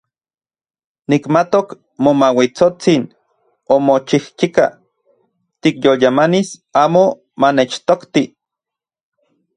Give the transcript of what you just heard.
Nikmatok Momauitsotsin omochijchika tikyolyamanis amo manechtokti.